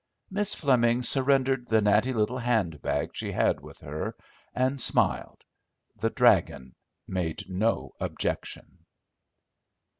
Miss Fleming surrendered the natty little handbag she had with her, and smiled. The "dragon" made no objection.